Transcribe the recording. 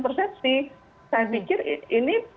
persepsi saya pikir ini